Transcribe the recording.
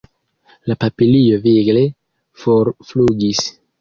La papilio vigle forflugis.